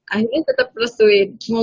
akhirnya tetap restuin